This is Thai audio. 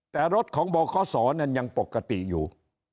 แต่รถของบคศนั้นยังปกติอยู่